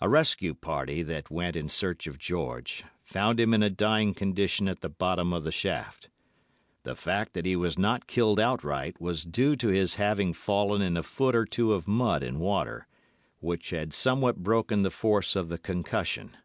"A rescue party that went in search of George found him in a dying condition at the bottom of the shaft. The fact that he was not killed outright was due to his having fallen in a foot or two of mud and water, which had somewhat broken the force of the concussion.